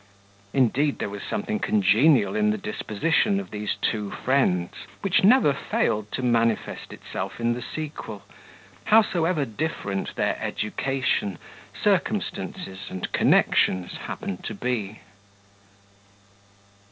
Indeed, there was something congenial in the disposition of these two friends, which never failed to manifest itself in the sequel, howsoever different their education, circumstances, and connections happened to be.